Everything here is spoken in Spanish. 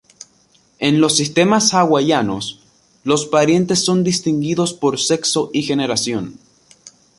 En los sistemas hawaianos, los parientes son distinguidos por sexo y generación.